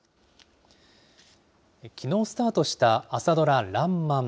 きのうスタートした朝ドラ、らんまん。